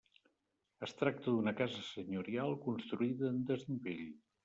Es tracta d'una casa senyorial, construïda en desnivell.